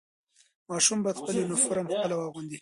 ماشوم باید خپل یونیفرم خپله واغوندي.